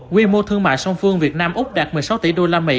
quy mô thương mại song phương việt nam úc đạt một mươi sáu tỷ usd